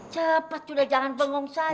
cepat juga jangan bengong saja